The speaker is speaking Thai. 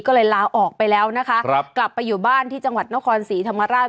ก็เลยลาออกไปแล้วนะคะกลับไปอยู่บ้านที่จังหวัดนครศรีธรรมราช